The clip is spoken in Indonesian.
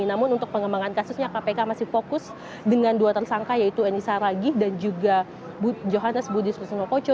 namun untuk pengembangan kasusnya kpk masih fokus dengan dua tersangka yaitu eni saragih dan juga johannes budi sunokoco